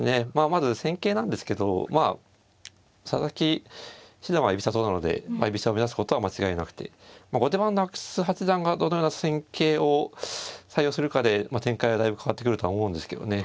まず戦型なんですけどまあ佐々木七段は居飛車党なので居飛車を目指すことは間違いなくて後手番の阿久津八段がどのような戦型を採用するかで展開はだいぶ変わってくるとは思うんですけどね。